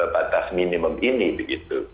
batas minimum ini begitu